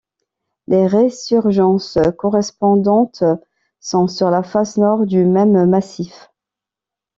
Les résurgences correspondantes sont sur la face nord du même massif.